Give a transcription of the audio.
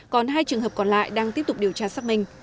còn hai trường hợp còn lại đang tiếp tục điều tra xác minh